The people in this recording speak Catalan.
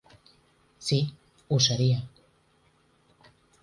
Sí, ho seria.